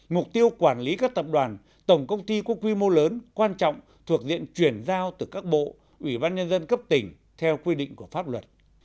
mục tiêu quản lý các tập đoàn tổng công ty có quy mô lớn quan trọng thuộc diện chuyển giao từ các bộ ủy ban nhân dân cấp tỉnh theo quy định của pháp luật